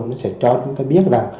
nó sẽ cho chúng ta biết là